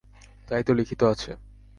তাই তো লিখিত আছে।